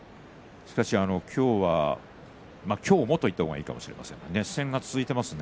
しかし今日は今日もと言った方がいいかもしれませんが熱戦が続いていますね。